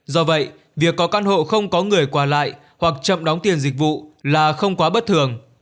do vậy việc có căn hộ không có người qua lại hoặc chậm đóng tiền dịch vụ là không quá bất thường